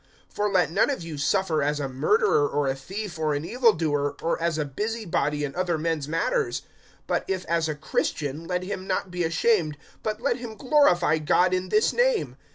][4:14] (15)For let none of you suffer as a murderer, or a thief, or an evil doer, or as a busy body in other men's matters; (16)but if as a Christian, let him not be ashamed, but let him glorify God in this name.